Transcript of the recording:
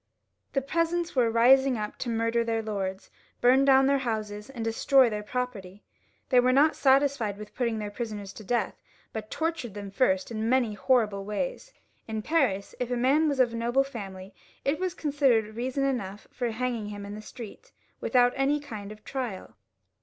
The peasants were rising up to murder their lords, bum down their houses, and destroy their property. They were not satisfied with putting their prisoners to death, but tortured them first in many horrible ways. In Paris, if a man was of noble family it was considered reason enough for hanging him in the streets without any kind of trial.